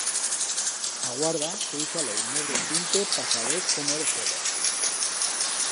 Aguarda que ixa lei medre y pinte pa saber cómo he de fer-lo.